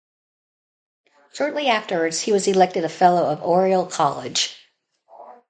Shortly afterwards, he was elected a fellow of Oriel College.